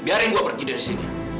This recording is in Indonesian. biarin gue pergi dari sini